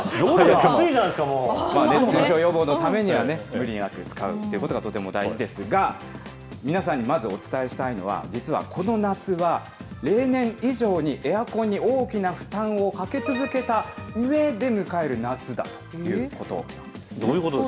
暑いじゃないですか、熱中症予防のためには、無理なく使うということがとても大事ですが、皆さんにまずお伝えしたいのは、実はこの夏は、例年以上にエアコンに大きな負担をかけ続けたうえで迎える夏だとどういうこと？